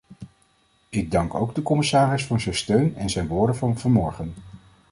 Ik dank ook de commissaris voor zijn steun en zijn woorden van vanmorgen.